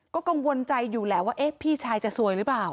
ก็กังวลใจอยู่แหละว่าเอ๊ะพี่ชายจะซวยหรือเปล่า